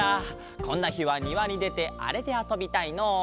こんなひはにわにでてあれであそびたいのう。